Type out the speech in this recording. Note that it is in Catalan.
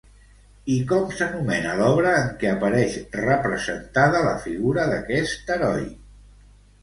I com s'anomena l'obra en què apareix representada la figura d'aquest heroi?